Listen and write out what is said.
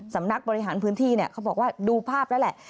สำนักบริหารพื้นที่เนี่ยเขาบอกว่าดูภาพแล้วแหละ